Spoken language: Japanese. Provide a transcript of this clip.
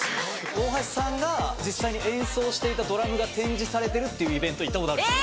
大橋さんが実際に演奏していたドラムが展示されてるっていうイベント行ったことあるんです。